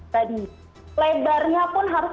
tadi lebarnya pun harus